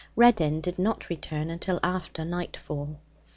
Reddin did not return until after night fall.